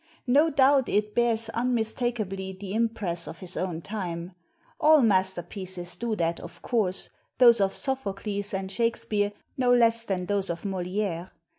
No doubt, it bears un mistakably the impress of his own time, all mas terpieces do that, of course, those of Sophocles and Shakspere no less than those of Moliere.